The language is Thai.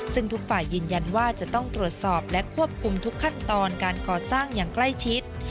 ซึ่งทุกฝ่ายยืนยันว่าจะต้องตรวจสอบและควบคุมทุกขั้นตอนการก่อสร้างอย่างใกล้ชิด